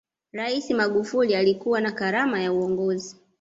rai magufuli alikuwa na karama ya uongozi